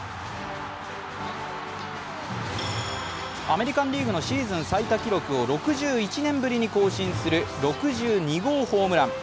アメリカンリーグのシーズン最多記録を６１年ぶりに更新する６２号ホームラン。